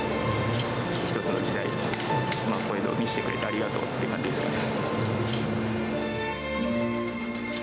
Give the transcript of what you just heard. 一つの時代、こういうのを見せてくれてありがとうって感じですね。